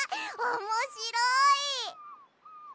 おもしろい！